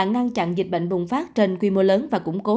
ngăn chặn dịch bệnh bùng phát trên quy mô lớn và củng cố